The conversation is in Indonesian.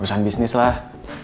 urusan bisnis lah